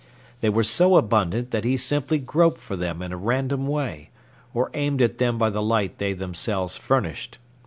They were so abundant that he simply groped for them in a random way, or aimed at them by the light they themselves furnished.